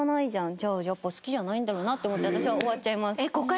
じゃあやっぱ好きじゃないんだろうなと思って私は終わっちゃいます。